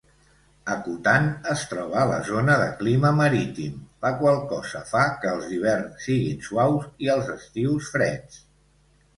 Akutan es troba a la zona de clima marítim, la qual cosa fa que els hiverns siguin suaus i els estius freds.